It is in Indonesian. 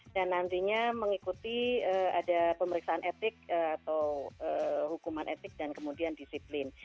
dan nantinya mengikuti ada pemeriksaan etik atau hukuman etik dan kemudian disiplin